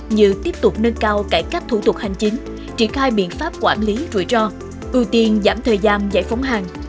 như tiếp tục nâng cao cải cách thủ tục hành chính triển khai biện pháp quản lý rủi ro ưu tiên giảm thời gian giải phóng hàng